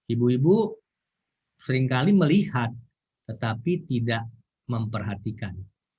ibu ibu seringkali melihat tetapi tidak memperhatikan